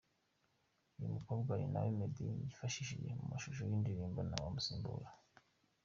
Uyu mukobwa ninawe Meddy yifashishije mu mashusho y’indirimbo Ntawamusimbura.